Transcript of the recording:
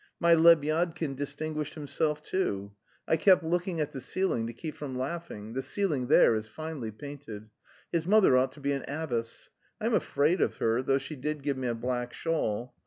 My Lebyadkin distinguished himself too. I kept looking at the ceiling to keep from laughing; the ceiling there is finely painted. His mother ought to be an abbess. I'm afraid of her, though she did give me a black shawl.